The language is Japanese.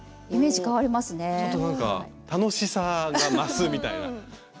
ちょっとなんか楽しさが増すみたいな感じで。